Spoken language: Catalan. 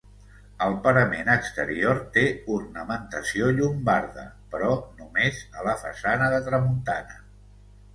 Al parament exterior té ornamentació llombarda però només a la façana de tramuntana.